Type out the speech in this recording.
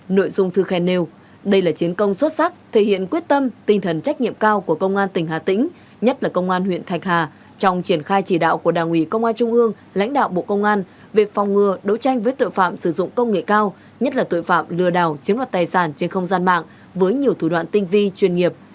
nội dung thư khen nêu đây là chiến công xuất sắc thể hiện quyết tâm tinh thần trách nhiệm cao của công an tỉnh hà tĩnh nhất là công an huyện thạch hà trong triển khai chỉ đạo của đảng ủy công an trung ương lãnh đạo bộ công an về phòng ngừa đấu tranh với tội phạm sử dụng công nghệ cao nhất là tội phạm lừa đảo chiếm đoạt tài sản trên không gian mạng với nhiều thủ đoạn tinh vi chuyên nghiệp